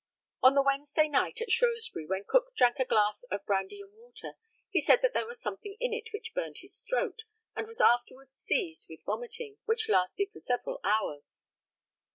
On the Wednesday night, at Shrewsbury, when Cook drank a glass of brandy and water, he said that there was something in it which burned his throat, and was afterwards seized with vomiting, which lasted for several hours.